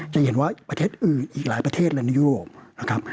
จะเห็นว่าประเทศอื่นอีกหลายประเทศเลยในยุโรปนะครับ